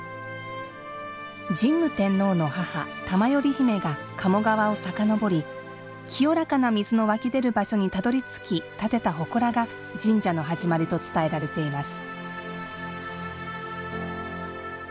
神武天皇の母・玉依姫が鴨川をさかのぼり清らかな水の湧き出る場所にたどりつき、建てたほこらが神社の始まりと伝えられています。